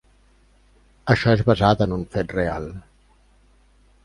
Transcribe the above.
Això és basat en un fet real.